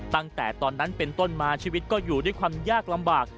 ตั้งแต่ตอนนั้นเป็นต้นมาชีวิตก็อยู่ด้วยความยากลำบาก